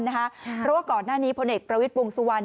เพราะว่าก่อนหน้านี้พลเอกประวิทย์วงสุวรรณ